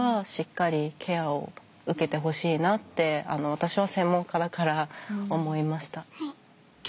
私は専門家だから思いました。